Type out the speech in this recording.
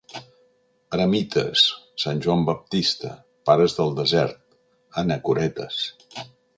Eremites, sant Joan Baptista, pares del desert, anacoretes.